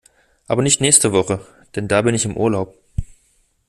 Aber nicht nächste Woche, denn da bin ich im Urlaub.